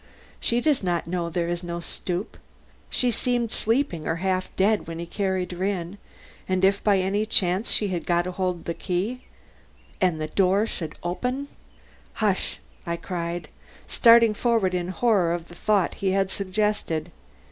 She does not know there is no stoop; she seemed sleeping or half dead when he carried her in, and if by any chance she has got hold of the key and the door should open " "Hush!" I cried, starting forward in horror of the thought he had suggested.